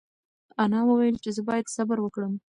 انا وویل چې زه باید صبر وکړم.